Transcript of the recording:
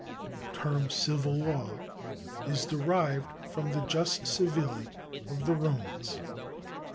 The term civil law is derived from the jus civile of the Romans.